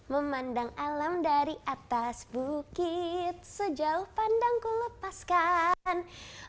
memandang alam dari atas bukit sejauh pandang ku lepaskan